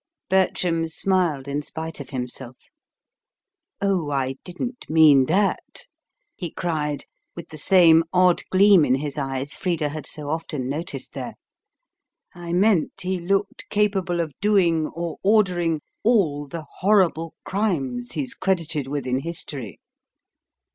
Bertram smiled in spite of himself. "Oh, I didn't mean that," he cried, with the same odd gleam in his eyes Frida had so often noticed there. "I meant, he looked capable of doing or ordering all the horrible crimes he's credited with in history.